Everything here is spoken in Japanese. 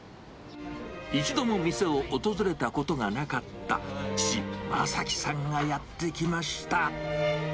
一度も店を訪れたことがなかった父、正樹さんがやって来ました。